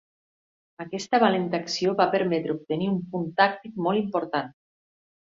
Aquesta valenta acció va permetre obtenir un punt tàctic molt important.